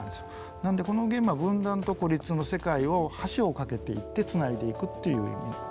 なのでこのゲームは分断と孤立の世界を橋を架けていって繋いでいくっていう意味の。